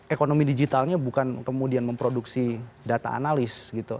ekonomi digitalnya bukan kemudian memproduksi data analis gitu